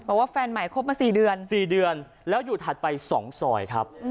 บอกว่าแฟนใหม่คบมา๔เดือน๔เดือนแล้วอยู่ถัดไป๒ซอยครับ